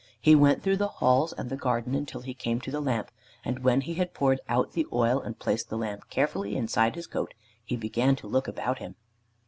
He went through the halls and the garden until he came to the lamp, and when he had poured out the oil and placed the lamp carefully inside his coat he began to look about him.